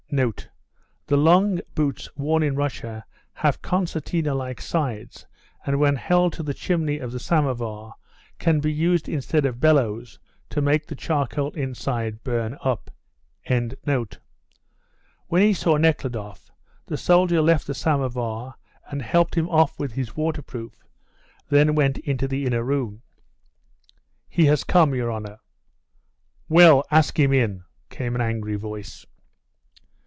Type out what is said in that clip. [The long boots worn in Russia have concertina like sides, and when held to the chimney of the somovar can be used instead of bellows to make the charcoal inside burn up.] When he saw Nekhludoff, the soldier left the somovar and helped him off with his waterproof; then went into the inner room. "He has come, your honour." "Well, ask him in," came an angry voice.